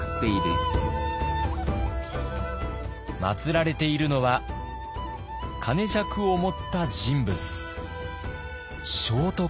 まつられているのは曲尺を持った人物。